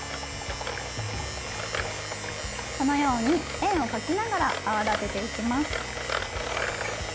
このように円を描きながら泡立てていきます。